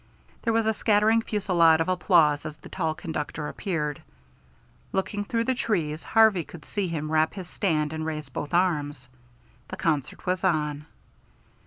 There was a scattering fusillade of applause as the tall conductor appeared. Looking through the trees, Harvey could see him rap his stand and raise both arms. The concert was on.